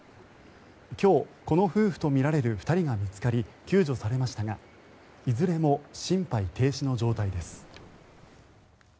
今日、この夫婦とみられる２人が見つかり救助されましたがいずれも心肺停止の状態です。